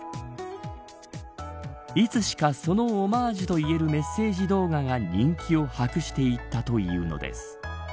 いつしか、そのオマージュといえるメッセージ動画が人気を博していったというのです。